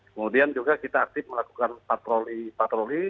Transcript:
kemudian juga kita aktif melakukan patroli patroli